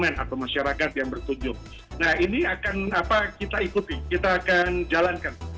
nah ini akan apa kita ikuti kita akan jalankan